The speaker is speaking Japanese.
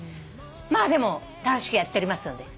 まあでも楽しくやっておりますので。